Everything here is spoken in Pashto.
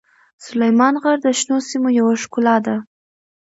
سلیمان غر د شنو سیمو یوه ښکلا ده.